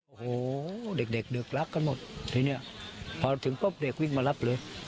โอ้โหเด็กเด็กรักกันหมดพอถึงพบเด็กวิ่งมารับเลย